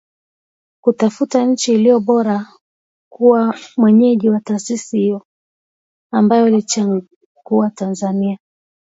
Kutafuta nchi iliyo bora kuwa mwenyeji wa taasisi hiyo, ambayo iliichagua Tanzania .